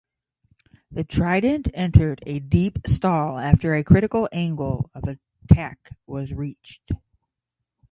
The Trident entered a deep stall after a critical angle of attack was reached.